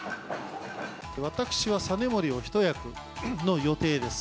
私は実盛を一役の予定です。